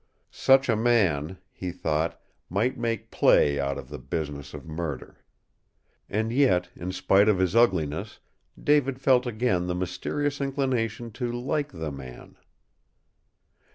Such a man, he thought, might make play out of the business of murder. And yet, in spite of his ugliness, David felt again the mysterious inclination to like the man.